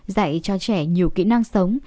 dạy cho trẻ nhiều kỹ năng sống